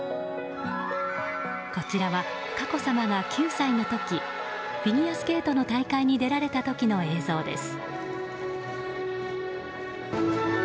こちらは、佳子さまが９歳の時フィギュアスケートの大会に出られた時の映像です。